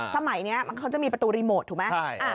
สมัยเนี้ยมันเขาจะมีประตูรีโมทถูกไหมใช่อ๋อ